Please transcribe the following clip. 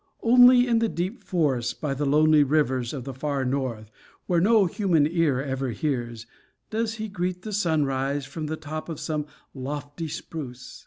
Only in the deep forests, by the lonely rivers of the far north, where no human ear ever hears, does he greet the sunrise from the top of some lofty spruce.